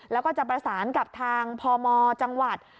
แล้วก็จะประสานกับทางพมจังหวัด